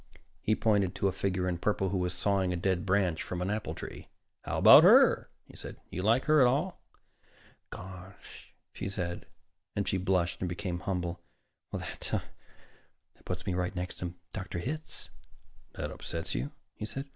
He pointed to a figure in purple who was sawing a dead branch from an apple tree. "How about her?" he said. "You like her at all?" "Gosh " she said, and she blushed and became humble "that that puts me right next to Dr. Hitz." "That upsets you?" he said.